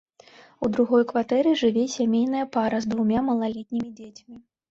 У другой кватэры жыве сямейная пара з двума малалетнімі дзецьмі.